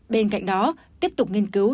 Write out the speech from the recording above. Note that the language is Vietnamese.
bên cạnh đó tiếp tục nghiên cứu